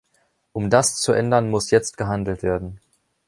Um das zu ändern, muss jetzt gehandelt werden.